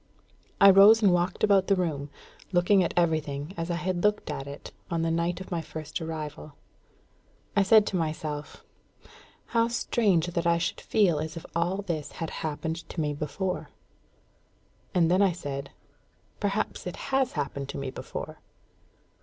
I rose and walked about the room, looking at everything as I had looked at it on the night of my first arrival. I said to myself, "How strange that I should feel as if all this had happened to me before!" And then I said, "Perhaps it has happened to me before."